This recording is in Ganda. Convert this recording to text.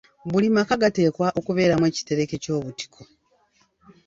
Buli maka gateekwa okubeeramu ekitereke ky’obutiko.